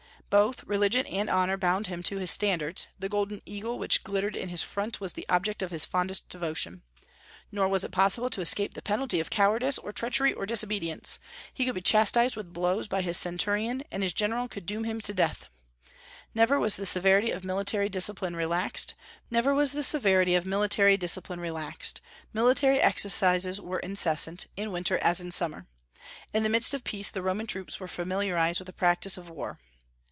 Both religion and honor bound him to his standards; the golden eagle which glittered in his front was the object of his fondest devotion. Nor was it possible to escape the penalty of cowardice or treachery or disobedience; he could be chastised with blows by his centurion, and his general could doom him to death. Never was the severity of military discipline relaxed; military exercises were incessant, in winter as in summer. In the midst of peace the Roman troops were familiarized with the practice of war.